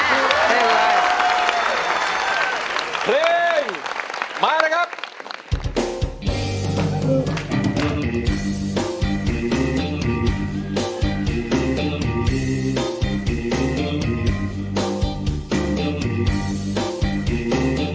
เอาแบบนี้หน้าเลย